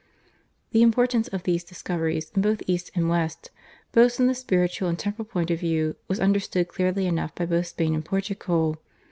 The importance of these discoveries in both East and West both from the spiritual and temporal point of view was understood clearly enough by both Spain and Portugal.